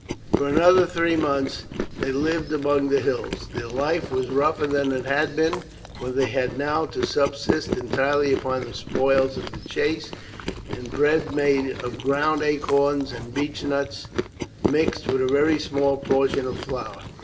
For another three months they lived among the hills. Their life was rougher than it had been, for they had now to subsist entirely upon the spoils of the chase, and bread made of ground acorns and beechnuts, mixed with a very small portion of flour.